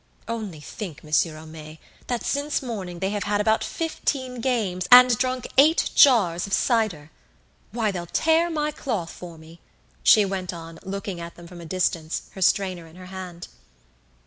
Only think, Monsieur Homais, that since morning they have had about fifteen games, and drunk eight jars of cider! Why, they'll tear my cloth for me," she went on, looking at them from a distance, her strainer in her hand.